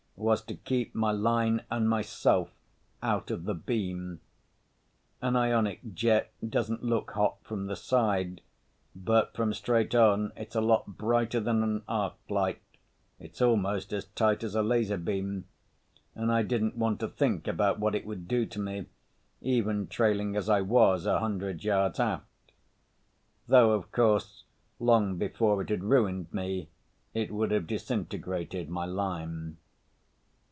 was to keep my line and myself out of the beam. An ionic jet doesn't look hot from the side. But from straight on it's a lot brighter than an arc light—it's almost as tight as a laser beam—and I didn't want to think about what it would do to me, even trailing as I was a hundred yards aft. Though of course long before it had ruined me, it would have disintegrated my line.